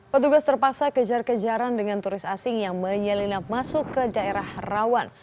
petugas terpaksa kejar kejaran dengan turis asing yang menyelinap masuk ke daerah rawan